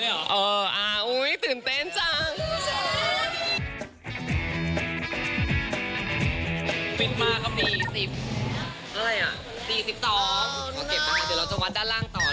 เดี๋ยวเราจะวัดด้านล่าง